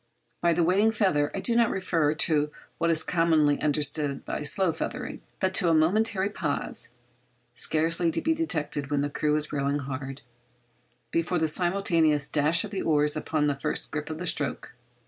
By the 'waiting feather' I do not refer to what is commonly understood by slow feathering, but to a momentary pause (scarcely to be detected when the crew is rowing hard) before the simultaneous dash of the oars upon the first grip of the stroke.